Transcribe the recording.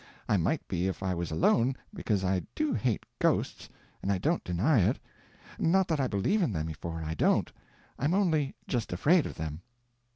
I might be if I was alone, because I do hate ghosts, and I don't deny it. Not that I believe in them, for I don't. I'm only just afraid of them."